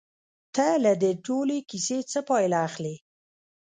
ته له دې ټولې کيسې څه پايله اخلې؟